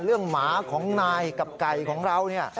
เรื่องหมาของนายกับไก่ของเรา